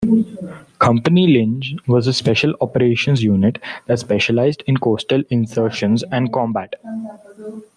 Company Linge was a special operations unit that specialized in coastal insertions and combat.